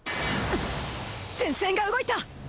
前線が動いた！